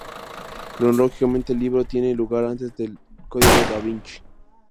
Cronológicamente, el libro tiene lugar antes de "El código Da Vinci".